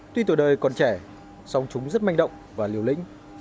tuy tuổi đời còn trẻ song chúng rất manh động và liều lĩnh